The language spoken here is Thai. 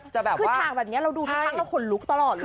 คือฉากแบบเนี่ยเราดูทั้งก็คนลุกตลอดเลยอะ